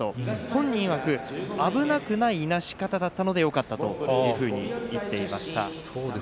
本人いわく、危なくないいなし方だったのでよかったと言っていました。